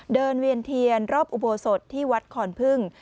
เวียนเทียนรอบอุโบสถที่วัดคอนพึ่ง